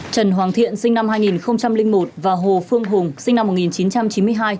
trần hoàng thiện sinh năm hai nghìn một và hồ phương hùng sinh năm một nghìn chín trăm chín mươi hai